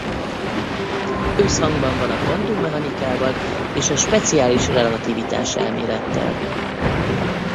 Összhangban van a kvantummechanikával és a speciális relativitáselmélettel.